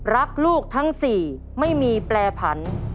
รักลูกทั้ง๔ไม่มีแปรผัน